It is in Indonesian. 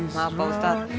maaf pak ustadz